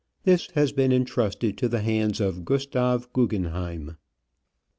This has been entrusted to the hands of Gustave Guggenheim.